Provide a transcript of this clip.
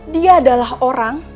dia adalah orang